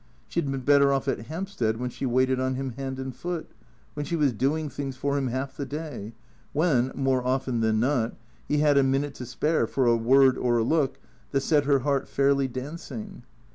She had been better off at Hampstead when she waited on him hand and foot; when she was doing things for him half the day; when, more often than not, he had a minute to spare for a word or a look that set her heart fairly dancing.